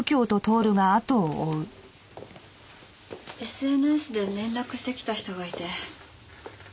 ＳＮＳで連絡してきた人がいて。